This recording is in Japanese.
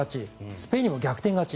スペインにも逆転勝ち。